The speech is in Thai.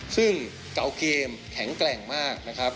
ซึ่งเกาเกมแข็งแกร่งมากนะครับ